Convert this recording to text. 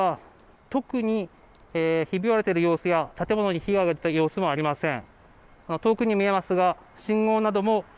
この道路ではひび割れてる様子や建物に被害が出た様子もありません。